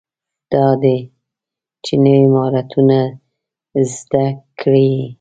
دا دی چې نوي مهارتونه زده کړئ.